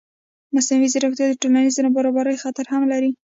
مصنوعي ځیرکتیا د ټولنیز نابرابرۍ خطر هم لري.